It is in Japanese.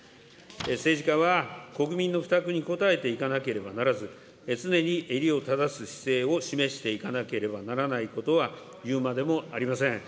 政治家は国民の負託に応えていかなければならず、常に襟を正す姿勢を示していかなければならないことは言うまでもありません。